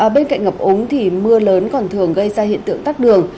bên cạnh ngập úng thì mưa lớn còn thường gây ra hiện tượng tắt đường